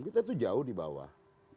kita itu jauh di bawah